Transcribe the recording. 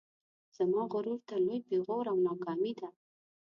زما غرور ته لوی پیغور او ناکامي ده